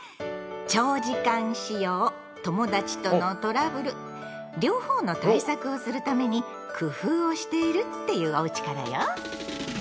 長時間使用友達とのトラブル両方の対策をするために工夫をしているっていうおうちからよ。